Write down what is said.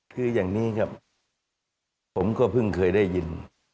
คืออย่างนี้ครับผมก็เพิ่งเคยได้ยิน